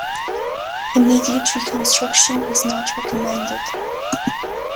Immediate reconstruction is not recommended.